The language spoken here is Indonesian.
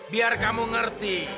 biar kamu ngerti